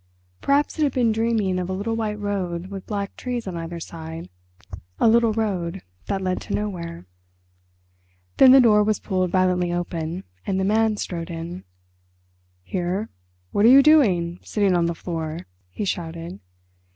Perhaps it had been dreaming of a little white road with black trees on either side, a little road that led to nowhere. Then the door was pulled violently open and the Man strode in. "Here, what are you doing, sitting on the floor?" he shouted.